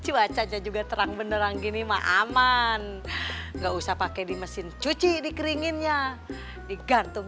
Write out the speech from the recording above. cuacanya juga terang beneran gini mah aman nggak usah pakai di mesin cuci dikeringinnya digantung